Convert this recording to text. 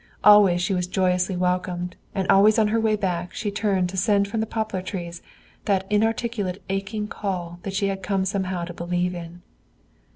Always she was joyously welcomed, and always on her way back she turned to send from the poplar trees that inarticulate aching call that she had come somehow to believe in.